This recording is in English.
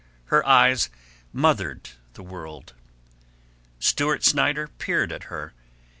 Her eyes mothered the world. Stewart Snyder peered at her.